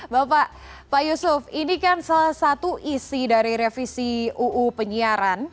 bapak yusuf ini kan salah satu isi dari revisi ruu penyiaran